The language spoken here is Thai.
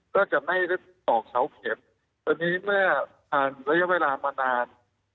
ตอนนี้เมื่อผ่านระยะเวลามานาน